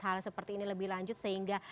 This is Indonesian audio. hal seperti ini lebih lanjut sehingga